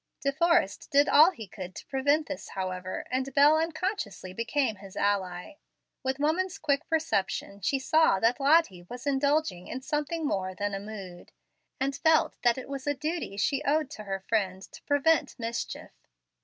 De Forrest did all he could to prevent this, however, and Bel unconsciously became his ally. With woman's quick perception, she saw that Lottie was indulging in something more than a "mood," and felt that it was a duty she owed to her friend to prevent mischief.